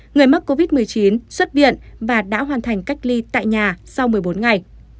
người mắc covid một mươi chín xuất viện và đã hoàn thành cách ly tại nhà sau một mươi bốn ngày